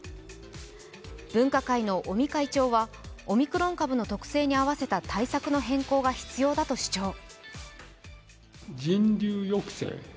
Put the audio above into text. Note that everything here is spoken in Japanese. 分科会の尾身会長はオミクロン株の特性に合わせた対策の変更が必要だと主張。